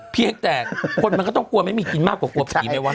เพียงแต่คนมันก็ต้องกลัวไม่มีกินมากกว่ากลัวผีไหมวะ